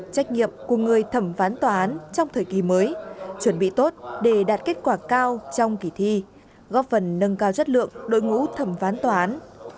trách nhiệm của người thẩm phán tòa án trong thời kỳ mới chuẩn bị tốt để đạt kết quả cao trong kỳ thi góp phần nâng cao chất lượng đội ngũ thẩm phán tòa án